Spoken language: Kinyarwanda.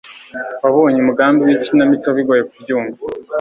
wabonye umugambi wikinamico bigoye kubyumva